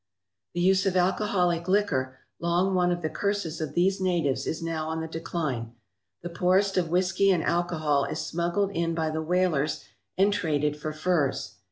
The use of alcoholic liquor, long one of the curses of these natives, is now on the decline. The poorest of whisky and alcohol is smuggled in by the whalers and traded for furs.